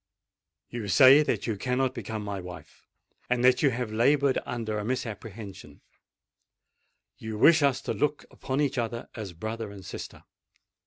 You say that you cannot become my wife—and that you have laboured under a misapprehension: you wish us to look upon each other as brother and sister.